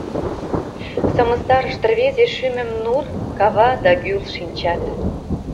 Сымыстарышт рвезе шӱмым Нур, кава да гӱл шинчат.